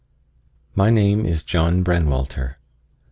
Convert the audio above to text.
My name is John Brenwalter.